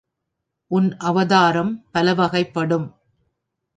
உன் அவதாரம் பல வகைப்படும்.